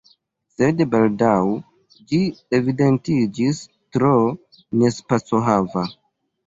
Sed baldaŭ ĝi evidentiĝis tro nespacohava.